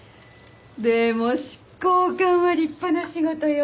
でも執行官は立派な仕事よ。